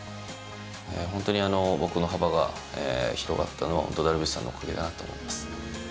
本当に僕の幅が広がったのは、本当、ダルビッシュさんのおかげだなと思います。